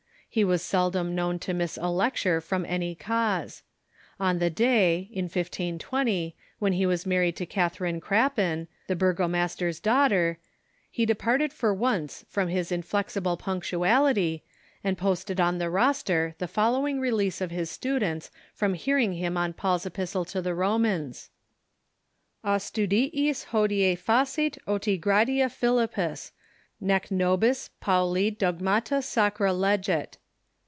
He was seldom known to miss a lecture from any cause. On the day, in 1520, when he was married to Catharine Crappin, the bur gomaster's daughter, he departed for once from his inflexible punctuality, and posted on the roster the following release of his students from hearing him on Paul's Epistle to the Ro mans : Longitude MELANCHTHON AND OTHER GERMAN REFORMERS 231 "A studiis liodi^ faoit otia grata Philippus, Nee nobis Pauli dogmata sacra leget."